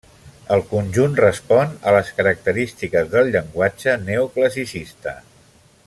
El conjunt respon a les característiques del llenguatge neoclassicista.